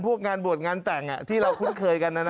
งานบวชงานแต่งที่เราคุ้นเคยกัน